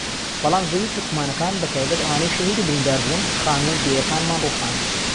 بەڵام زەوی تورکمانەکان بەتایبەت ئەوانەی شەهید و بریندار بوون خانوو و دێیەکانمان رووخان